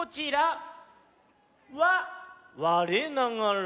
「われながら」。